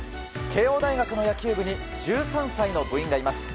慶應大学の野球部に１３歳の部員がいます。